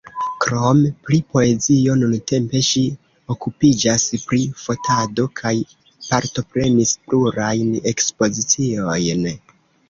Krom pri poezio, nuntempe ŝi okupiĝas pri fotado, kaj partoprenis plurajn ekspoziciojn.